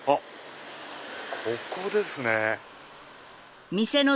ここですね。